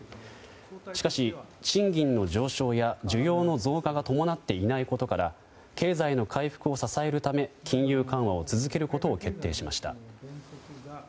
しかし、賃金の上昇や需要の増加が伴っていないことから経済の回復を支えるため金融緩和を続けることを決定しました。